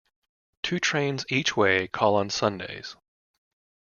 Two trains each way call on Sundays.